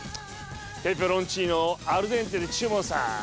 ペペロンチーノをアルデンテで注文さ。